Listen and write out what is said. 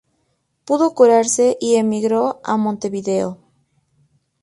Pudo curarse y emigró a Montevideo.